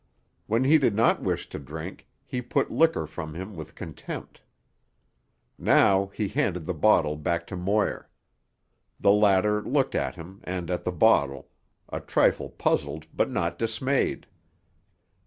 When he did not wish to drink he put liquor from him with contempt. Now he handed the bottle back to Moir. The latter looked at him and at the bottle, a trifle puzzled but not dismayed.